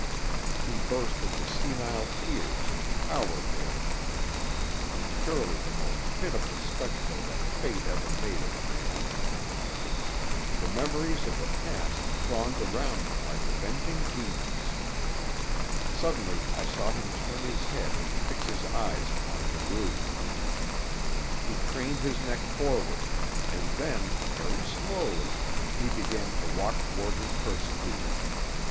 He burst into senile tears and cowered there, surely the most pitiful spectacle that fate ever made of a man. The memories of the past thronged around him like avenging demons. Suddenly I saw him turn his head and fix his eyes upon Leroux. He craned his neck forward; and then, very slowly, he began to walk toward his persecutor.